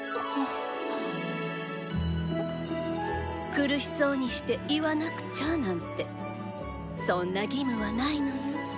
「苦しそうにして言わなくちゃ」なんてそんな義務はないのよ。